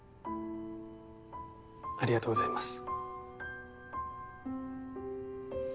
ありがとうございます。